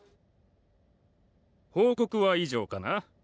報告は以上かな？